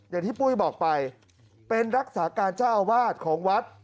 ปุ้ยบอกไปเป็นรักษาการเจ้าอาวาสของวัด